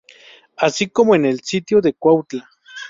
Así como en el Sitio de Cuautla.